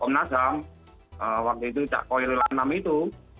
ponasam waktu itu cak koy rilam itu